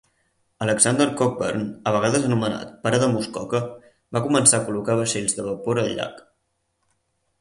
Alexander Cockburn, a vegades anomenat Pare de Muskoka, va començar a col·locar vaixells de vapor al llac.